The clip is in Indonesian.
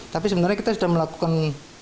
tapi sebenarnya kita sudah melakukan